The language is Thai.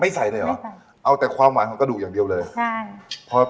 ไม่ใส่เลยหรอไม่ใส่เอาแต่ความหวานเขาก็ดูอย่างเดียวเลยใช่